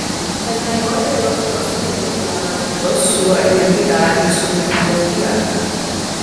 El mayor de los dos pregunta al otro su identidad y su genealogía.